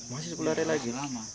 masih sepuluh hari lagi